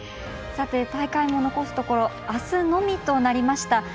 大会も残すところあすのみとなりました。